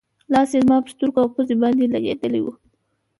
لاس یې زما پر سترګو او پوزې باندې لګېدلی و.